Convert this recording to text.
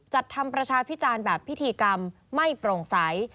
จัดทำประชาพิจารณ์แบบพิธีกรรมไม่โปร่งใส